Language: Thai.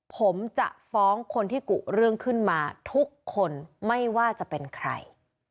ผมจะฟ้องคนที่กุเรื่องขึ้นมาทุกคนไม่ว่าจะเป็นใคร